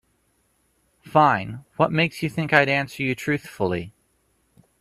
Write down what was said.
Fine, what makes you think I'd answer you truthfully?